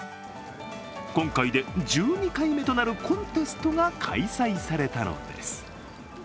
今回で１２回目となるコンテストが開催されたのです。